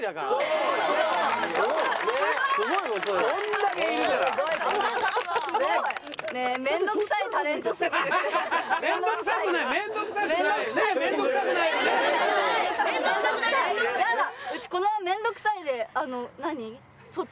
うちこの面倒くさいであの何？